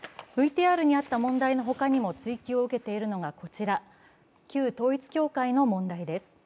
ＶＴＲの問題のほかにも追及を受けているのが旧統一協会の問題です。